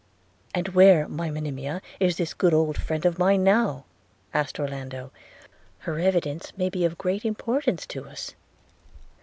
'And where, my Monimia, is this good old friend of mine now?' said Orlando – 'Her evidence may be of great importance to us.'